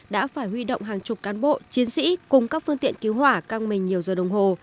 đã phải huy động hàng chục cán bộ chiến sĩ cùng các phương tiện cứu hỏa căng mình nhiều giờ đồng hồ